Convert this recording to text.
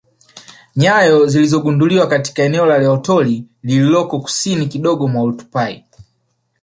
Nyayo zilizogunduliwa katika eneo la Laetoli lililoko kusini kidogo mwa Oltupai